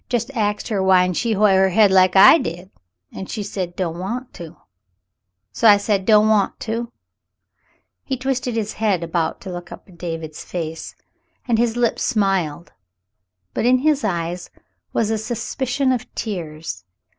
Jes' axed her whyn't she hoi' her head like I did .^ an' she said, 'Don't want to.' So 200 The Mountain Girl I said, 'Don't want to.'" He twisted his head about to look up in David's face, and his lips smiled, but in his eyes was a suspicion of tears.